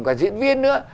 cả diễn viên nữa